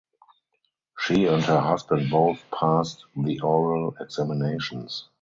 She and her husband both passed the oral examinations.